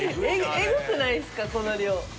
エグくないですかこの量。